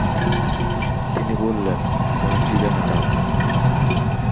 তিনি বললেনঃ মসজিদে হারাম।